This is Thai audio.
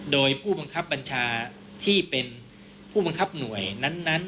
โดยผู้บังคับบัญชาที่เป็นผู้บังคับหน่วยนั้น